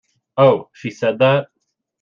Oh, she said that?